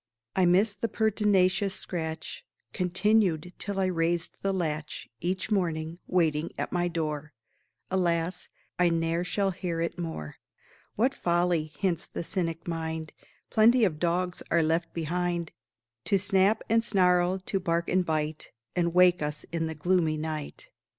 I miss the pertinacious scratch (Continued till I raised the latch Each morning), waiting at my door; Alas, I ne'er shall hear it more. "What folly!" hints the cynic mind, "Plenty of dogs are left behind To snap and snarl, to bark and bite, And wake us in the gloomy night.